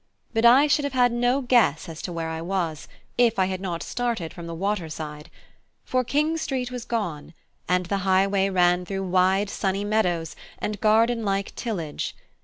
But I should have had no guess as to where I was, if I had not started from the waterside; for King Street was gone, and the highway ran through wide sunny meadows and garden like tillage.